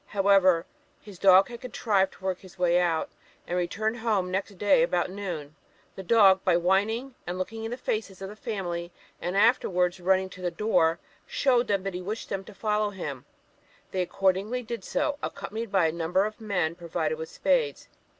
However, his dog had contrived to work his way out, and returned home next day about noon. The dog, by whining and looking in the faces of the family, and afterwards running to the door, showed that he wished them to follow him; they accordingly did so, accompanied by a number of men provided with spades.